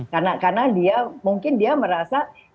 karena dia mungkin dia merasa